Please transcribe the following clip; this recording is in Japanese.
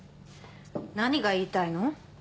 何が言いたいの？